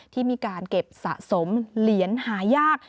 ที่มีการเก็บสะสมเหรียญหายาก